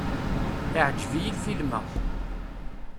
Iɛǧeb-iyi lfilm-a.